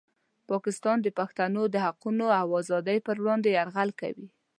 پاکستان د پښتنو د حقونو او ازادۍ په وړاندې یرغل کوي.